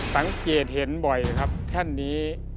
สังเกตเห็นบ่อยครับแท่นนี้